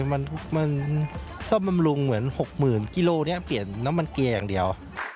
มันซ่อมบำรุงเหมือน๖๐๐๐กิโลนี้เปลี่ยนน้ำมันเกียร์อย่างเดียว